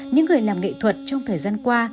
những người làm nghệ thuật trong thời gian qua